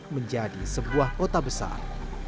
menjadi sebuah kota besar